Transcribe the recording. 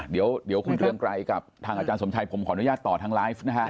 เดี๋ยวคนเรืองไกลทางอาจารย์สมชัยผมขออนุญาตต่อทางลาย